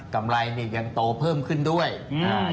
กำไรนี่ยังโตเพิ่มขึ้นด้วยอืม